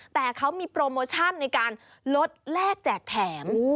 แต่เขามีโปรโมชั่นในการลดแลกแจกแถม